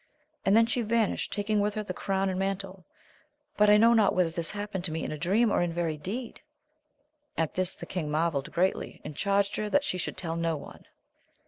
And then she vanished, taking with her the crown and mantle ; but I know not whether this happened to me in a dream, or in very deed. At this the king mar velled greatly, and charged her that she should tell no one.